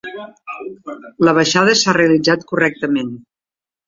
La baixada s'ha realitzat correctament.